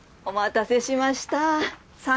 お待たせしました。